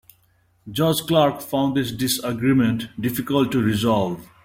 Judge Clark found this disagreement difficult to resolve.